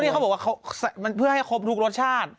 ก็ที่เขาบอกว่าเพื่อให้ครบทุกรสชาติ